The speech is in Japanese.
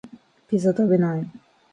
ピザ食べない？